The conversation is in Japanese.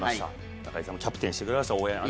中居さんもキャプテンしてくれました。